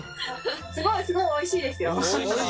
すごいすごいおいしいですよ。